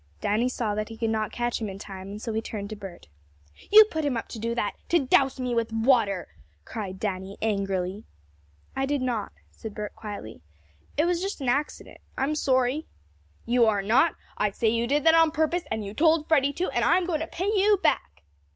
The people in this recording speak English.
Danny saw that he could not catch him in time, and so he turned to Bert. "You put him up to do that to douse me with water!" cried Danny angrily. "I did not," said Bert quietly. "It was just an accident. I'm sorry." "You are not! I say you did that on purpose or you told Freddie to, and I'm going to pay you back!"